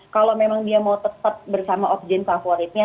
kalau memang dia mau tetap bersama objek favoritnya